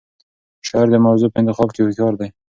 شاعر د موضوع په انتخاب کې هوښیار دی.